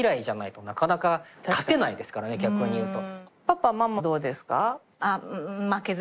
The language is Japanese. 逆に言うと。